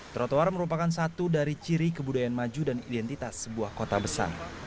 trotoar merupakan satu dari ciri kebudayaan maju dan identitas sebuah kota besar